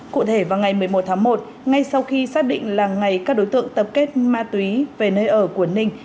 cụ thể vào ngày một mươi một tháng một ngay sau khi xác định là ngày các đối tượng tập kết ma túy về nơi ở của ninh